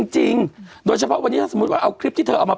จริงโดยเฉพาะวันนี้ถ้าสมมุติว่าเอาคลิปที่เธอเอามา